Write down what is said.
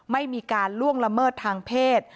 ไม่มีการล่วงละเมิดทางเพศ